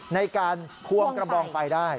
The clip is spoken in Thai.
ในการควงกระบองไปได้